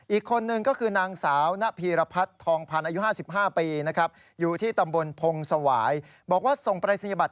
อีกคนนึงก็คือนางสาวณพีรพัฒน์ทองพันธ์อายุ๕๕ปีนะครับ